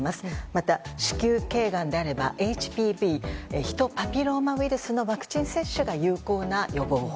また、子宮頸がんであればＨＰＶ・ヒトパピローマウイルスのワクチン接種が有効な予防法。